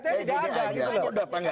itu dapat nggak ada